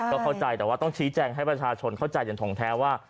ก็เข้าใจแต่ว่าต้องชี้แจงให้ประชาชนเข้าใจอย่างทองแท้ว่า